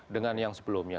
dengan yang sebelumnya